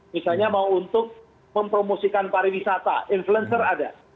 misalnya mau untuk mempromosikan pariwisata influencer ada